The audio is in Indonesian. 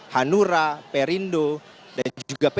hanura perindo dan juga p tiga